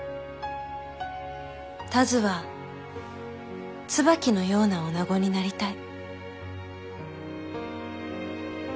田鶴は椿のようなおなごになりたい。